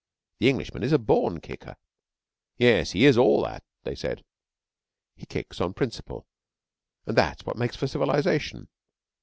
The Englishman is a born kicker. ("Yes, he is all that," they said.) He kicks on principle, and that is what makes for civilisation.